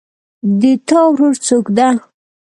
د تا ورور څوک ده